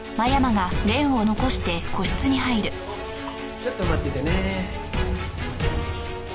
ちょっと待っててね。